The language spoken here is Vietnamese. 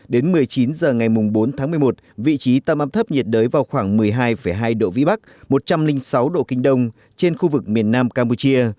đến một mươi chín h ngày bốn tháng một mươi một vị trí tâm áp thấp nhiệt đới vào khoảng một mươi hai hai độ vĩ bắc một trăm linh sáu độ kinh đông trên khu vực miền nam campuchia